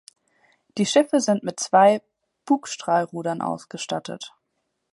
Die Schiffe sind mit zwei Bugstrahlrudern ausgestattet.